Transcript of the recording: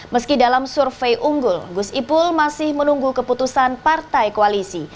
meski dalam survei unggul gus ipul masih menunggu keputusan partai koalisi